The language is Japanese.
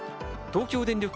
東京電力